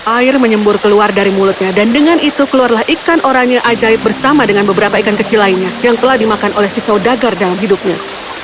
air menyembur keluar dari mulutnya dan dengan itu keluarlah ikan oranye ajaib bersama dengan beberapa ikan kecil lainnya yang telah dimakan oleh sisau dagar dalam hidupnya